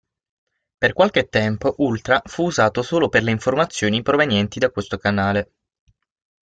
Per qualche tempo "Ultra" fu usato solo per le informazioni provenienti da questo canale.